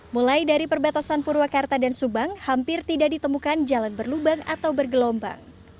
mulai dari perbatasan purwakarta dan subang hampir tidak ditemukan jalan berlubang atau bergelombang